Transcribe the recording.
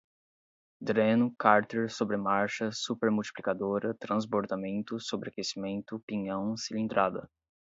dreno, cárter, sobremarcha, supermultiplicadora, transbordamento, sobreaquecimento, pinhão, cilindrada